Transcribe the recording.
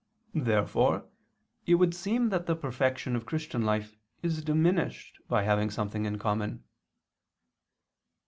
Therefore it would seem that the perfection of Christian life is diminished by having something in common.